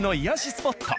スポット